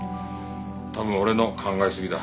多分俺の考えすぎだ。